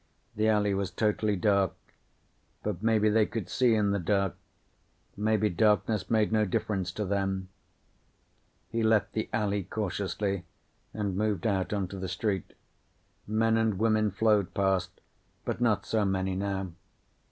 The alley was totally dark. But maybe they could see in the dark. Maybe darkness made no difference to them. He left the alley cautiously and moved out onto the street. Men and women flowed past, but not so many, now.